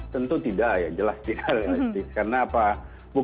tentu tidak ya jelas tidak realistis